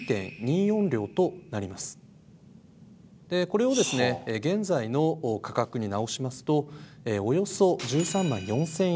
これをですね現在の価格に直しますとおよそ１３万４，０００円。